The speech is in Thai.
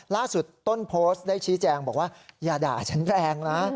ล่าสุดต้นโพสต์ได้ชี้แจงบอกว่าอย่าด่าฉันแรงนะ